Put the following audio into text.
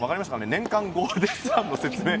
年間ゴールデンスラムの説明。